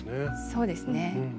そうですね。